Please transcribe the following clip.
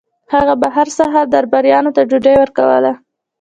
هغه به هر سهار درباریانو ته ډوډۍ ورکوله.